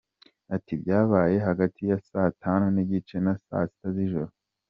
Ati “ Byabaye hagati ya saa tanu n’igice na saa sita z’ijoro.